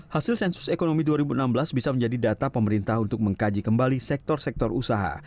hasil sensus ekonomi dua ribu enam belas bisa menjadi data pemerintah untuk mengkaji kembali sektor sektor usaha